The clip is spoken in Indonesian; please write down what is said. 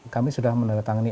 kami sudah meneretangani